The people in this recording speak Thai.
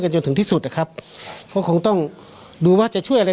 จนถึงที่สุดนะครับก็คงต้องดูว่าจะช่วยอะไร